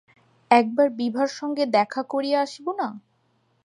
একবার বিভার সঙ্গে দেখা করিয়া আসিব না?